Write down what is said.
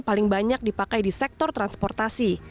paling banyak dipakai di sektor transportasi